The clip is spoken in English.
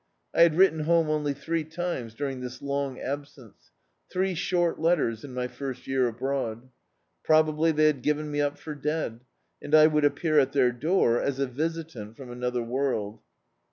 I had written hcnne only three times during this long ab* sence, three short letters in my first year abroad. Probably they bad given me up for dead, and I would appear at their door as a visitant from another world.